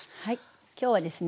今日はですね